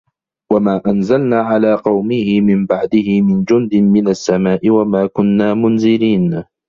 وَما أَنزَلنا عَلى قَومِهِ مِن بَعدِهِ مِن جُندٍ مِنَ السَّماءِ وَما كُنّا مُنزِلينَ